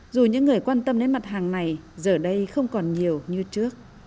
dù những người quan tâm đến mặt hàng này giờ đây không còn nhiều như trước